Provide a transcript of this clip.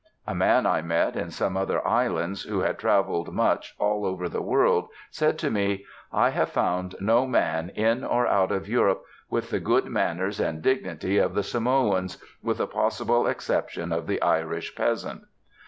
A man I met in some other islands, who had travelled much all over the world, said to me, "I have found no man, in or out of Europe, with the good manners and dignity of the Samoan, with the possible exception of the Irish peasant."